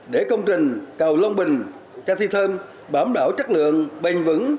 để công trình cầu long bình chere tom bám đảo chất lượng bền vững